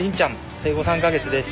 生後３か月です。